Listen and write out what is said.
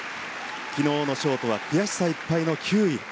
昨日のショートは悔しさいっぱいの９位。